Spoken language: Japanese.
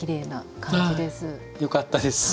よかったです。